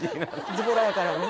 ズボラやからね